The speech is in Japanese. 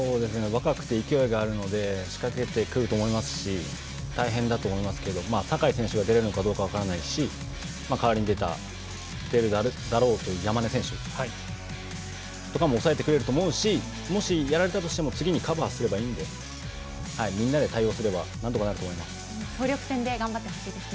若くて勢いがあるので仕掛けてくると思いますし大変だと思いますけど酒井選手が出るのかどうか分からないし代わりに出た出るであろうという山根選手とかも抑えてくれると思うしもしやられたとしても次にカバーすればいいのでみんなで対応すれば何とかなると思います。